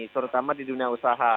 terutama di dunia usaha